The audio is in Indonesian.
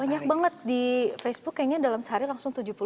banyak banget di facebook kayaknya dalam sehari langsung tujuh puluh